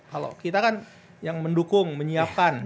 kalau kita kan yang mendukung menyiapkan